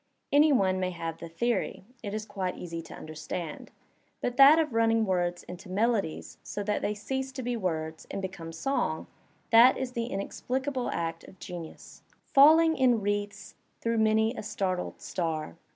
Any one may have the theory — it is quite easy to understand. But that running of words into melodies so that they cease to be words and become song — that is the inexplicable act of genius. Falling in wreaths through many a startled star.